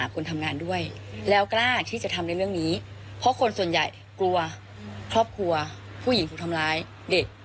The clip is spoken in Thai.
คนใหญ่กลัวครอบครัวผู้หญิงถูกทำร้ายเด็ก